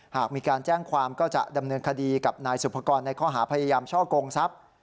หากมีการแจ้งความก็จะดำเนินคดีกับนายสุภกรในข้อหาพยายามช่อกงทรัพย์